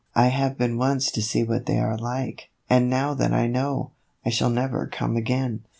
I have been once to see what they are like, and now that I know, I shall never come again."